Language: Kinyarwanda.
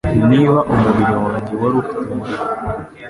Niba umubiri wanjye wari ufite umuriro